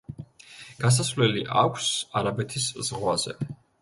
გასასვლელი აქვს არაბეთის ზღვაზე.